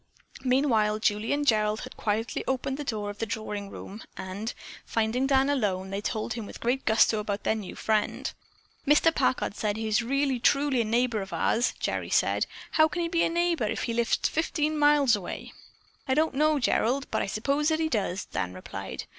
Meanwhile Julie and Gerald had quietly opened the door of the drawing room, and, finding Dan alone, they told him with great gusto about their new friend. "Mr. Packard says he's a really truly neighbor of ours," Gerry said. "How can he be a neighbor if he lives fifteen miles away?" "I don't know, Gerald, but I suppose that he does," Dan replied.